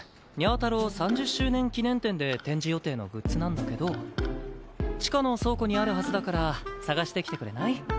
太郎３０周年記念展で展示予定のグッズなんだけど地下の倉庫にあるはずだから探してきてくれない？